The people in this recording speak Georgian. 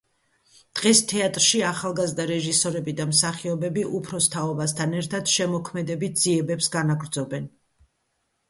დღეს თეატრში ახალგაზრდა რეჟისორები და მსახიობები, უფროს თაობასთან ერთად, შემოქმედებით ძიებებს განაგრძობენ.